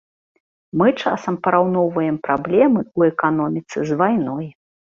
Мы часам параўноўваем праблемы ў эканоміцы з вайной.